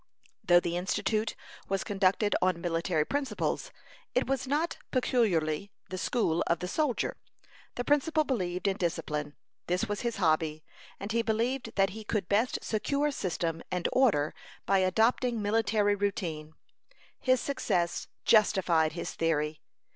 Though the Institute was conducted on military principles, it was not peculiarly the school of the soldier. The principal believed in discipline; this was his hobby; and he believed that he could best secure system and order by adopting military routine. His success justified his theory.